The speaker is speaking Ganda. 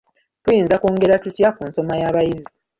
Tuyinza kwongera tutya ku nsoma y'abayizi?